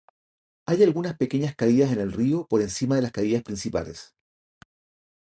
Hay algunas pequeñas caídas en el río por encima de las caídas principales.